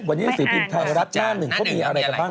วันนี้หนังสือพิมพ์ไทยรัฐหน้าหนึ่งเขามีอะไรกันบ้าง